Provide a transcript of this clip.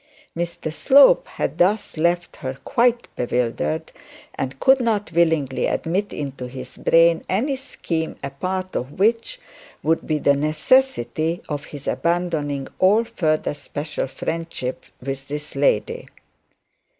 Mr Slope had thus left her quite bewildered, and could not willingly admit into his brain any scheme, a part of which would be the necessity of abandoning all further special relationship with this lady.